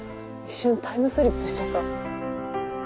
一瞬タイムスリップしちゃった。